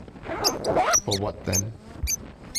But what then?